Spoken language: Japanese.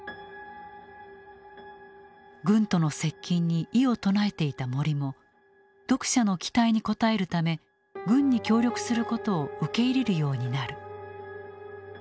軍との接近に異を唱えていた森も読者の期待に応えるため軍に協力することを受け入れるようになる。